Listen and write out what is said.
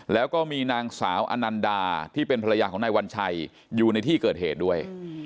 แล้วก็มีนางสาวอนันดาที่เป็นภรรยาของนายวัญชัยอยู่ในที่เกิดเหตุด้วย